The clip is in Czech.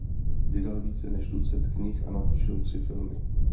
Vydal více než tucet knih a natočil tři filmy.